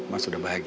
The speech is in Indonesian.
mas udah bahagia